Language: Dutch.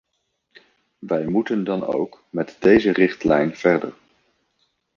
Wij moeten dan ook met deze richtlijn verder.